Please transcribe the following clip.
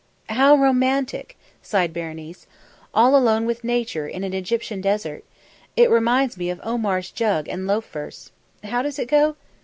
"How romantic!" sighed Berenice. "All alone with Nature in an Egyptian desert! It reminds me of Omar's Jug and Loaf verse. How does it go?"